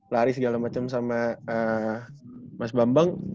lari segala macam sama mas bambang